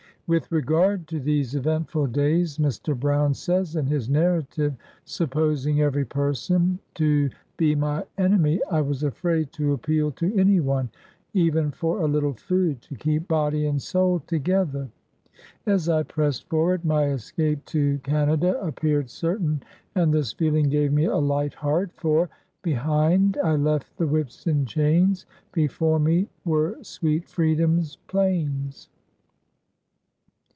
With regard to these eventful days, Mr. Brown says in his narrative, — "Supposing every person to be my enemy, I was afraid to appeal to any one, even for a little food, to keep body and soul together. As I pressed forward, my escape to Canada appeared certain, and this feeling gave me a light heart, for 1 Behind I left the whips and chains, Before me were sweet Freedom's plains.'